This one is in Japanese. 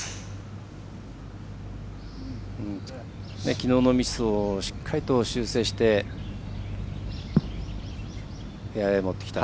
きのうのミスをしっかりと修正してフェアウエーに持ってきた。